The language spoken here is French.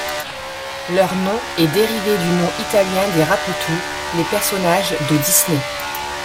Leur nom est dérivé du nom italien des Rapetou, les personnages de Disney.